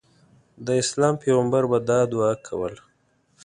د اسلام پیغمبر به دا دعا کوله.